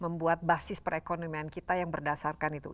membuat basis perekonomian kita yang berdasarkan itu